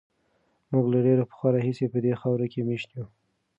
موږ له ډېر پخوا راهیسې په دې خاوره کې مېشت یو.